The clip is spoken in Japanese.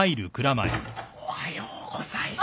おはようございます。